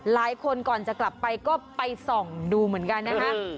หลายคนก่อนจะกลับไปก็ไปส่องดูเหมือนกันนะคะ